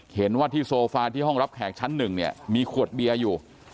เห็นว่าที่โซฟาที่ห้องรับแขกชั้น๑มีขวดเบียร์อยู่